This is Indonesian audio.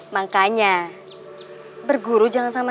makanya berguru jangan saja